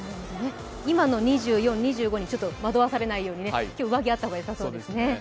今の２４、２５に惑わされないように今日、上着があった方がよさそうですね。